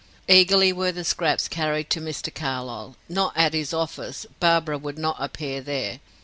Eagerly were these scraps carried to Mr. Carlyle. Not at his office; Barbara would not appear there.